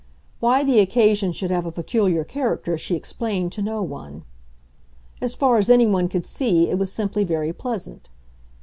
Why the occasion should have a peculiar character she explained to no one. As far as anyone could see, it was simply very pleasant.